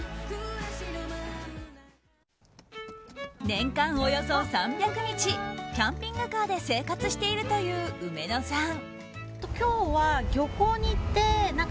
年間およそ３００日キャンピングカーで生活しているという、うめのさん。